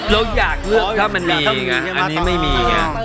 เราอยากเลือกถ้ามันมีอันนี้ไม่มีไง